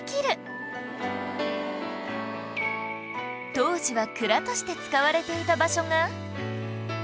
当時は蔵として使われていた場所が